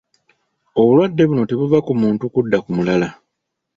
Obulwadde buno tebuva ku muntu kudda ku mulala